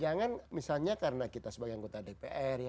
jangan misalnya karena kita sebagai anggota dpr ya